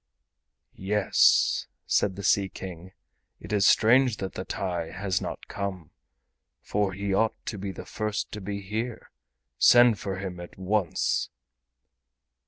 "Yes," said the Sea King, "it is strange that the TAI has not come, for he ought to be the first to be here. Send for him at once!"